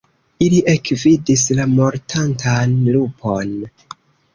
Ili ekvidis la mortantan lupon.